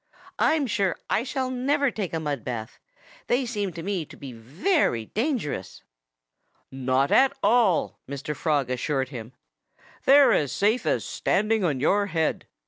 "I'm sure I shall never take a mud bath. They seem to me to be very dangerous." "Not at all!" Mr. Frog assured him. "They're as safe as standing on your head."